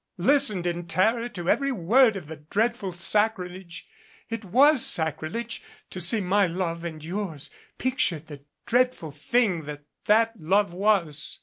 Listened in terror to every word of the dreadful sacrilege. It was sacrilege ! to see my love and yours pictured the dreadful thing that that love was.